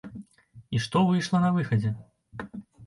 І што выйшла на выхадзе.